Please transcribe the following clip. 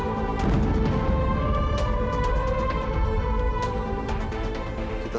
untuk pembangsaan kita